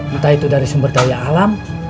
entah itu dari sumber daya alam